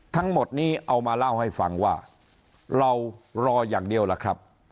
ทั้งหมดนี้เอามาเล่าให้ฟังว่าเรารออย่างเดียวล่ะครับ